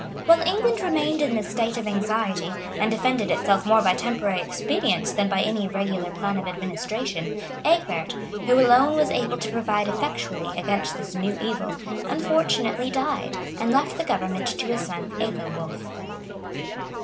[*] While England remained in this state of anxiety, and defended itself more by temporary expedients than by any regular plan of administration, Egbert, who alone was able to provide effectually against this new evil, unfortunately died, and left the government to his son Ethelwolf.